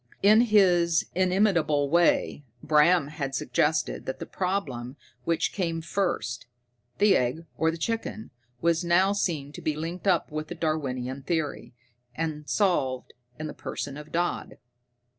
In his inimitable way, Bram had suggested that the problem which came first, the egg or the chicken, was now seen to be linked up with the Darwinian theory, and solved in the person of Dodd.